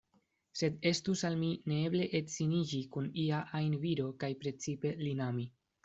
Sed estus al mi neeble edziniĝi kun ia ajn viro, kaj precipe lin ami.